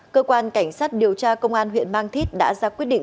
cơ quan cảnh sát điều tra công an huyện mang thít đã ra quyết định